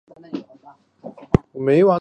肝炎是描述肝脏发炎的现象。